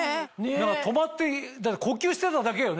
止まって呼吸してただけよね？